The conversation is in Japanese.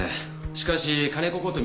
しかし金子こと